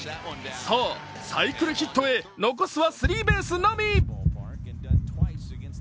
さぁ、サイクルヒットへ残すはスリーベースのみ。